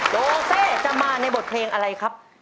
โจเซจะมาในบทเพลงอะไรครับ